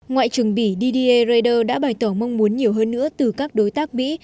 ngoại trưởng bỉ dr raider đã bày tỏ mong muốn nhiều hơn nữa từ các đối tác mỹ